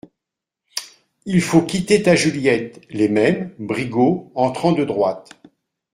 Il faut quitter ta Juliette" Les Mêmes, Brigot, entrant de droite.